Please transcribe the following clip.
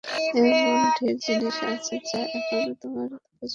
এমন ঢের জিনিস আছে যা এখনো তোমার বোঝবার সাধ্যই নেই।